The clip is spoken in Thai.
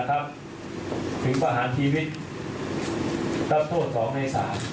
ถึงประหารชีวิตรับโทษ๒ใน๓